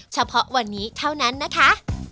เฉพาะวันนี้เท่านั้นนะคะ